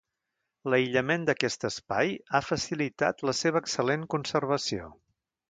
L’aïllament d’aquest espai ha facilitat la seva excel·lent conservació.